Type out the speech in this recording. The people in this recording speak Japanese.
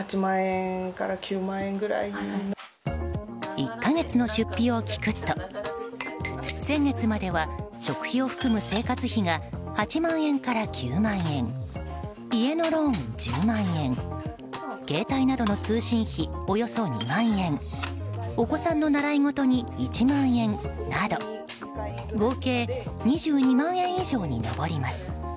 １か月の出費を聞くと先月までは食費を含む生活費が８万円から９万円家のローン１０万円携帯などの通信費およそ２万円お子さんの習いごとに１万円など合計２２万円以上に上ります。